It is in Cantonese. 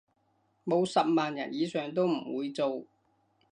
冇十萬人以上都唔會做